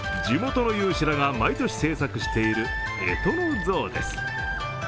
地元の有志らが毎年制作しているえとの像です。